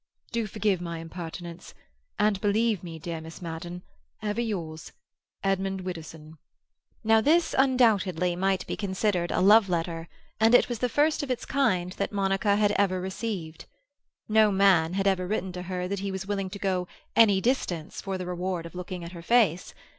"Do forgive my impertinence, and believe me, dear Miss Madden.— Ever yours, EDMUND WIDDOWSON." Now this undoubtedly might be considered a love letter, and it was the first of its kind that Monica had ever received. No man had ever written to her that he was willing to go "any distance" for the reward of looking on her face.